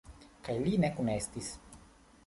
Kaj li ne kunestis.